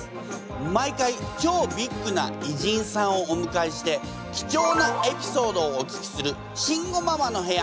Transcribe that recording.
毎回超ビッグな偉人さんをおむかえして貴重なエピソードをお聞きする慎吾ママの部屋。